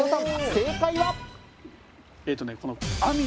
正解は？